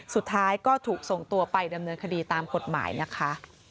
สุดท้ายก็ถูกส่งตัวไปดำเนินคดีตามกฎหมายนะคะ